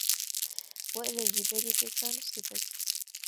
وَإِلَى الْجِبَالِ كَيْفَ نُصِبَتْ